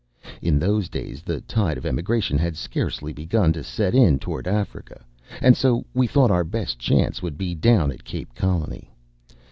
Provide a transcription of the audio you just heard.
In those days the tide of emigration had scarcely begun to set in toward Africa, and so we thought our best chance would be down at Cape Colony.